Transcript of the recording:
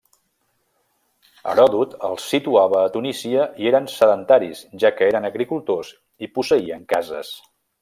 Heròdot els situava a Tunísia i eren sedentaris, ja que eren agricultors i posseïen cases.